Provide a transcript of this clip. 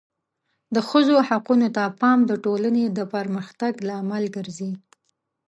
د ښځو حقونو ته پام د ټولنې د پرمختګ لامل ګرځي.